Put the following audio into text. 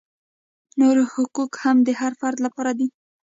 نور حقوق هم د هر فرد لپاره دي.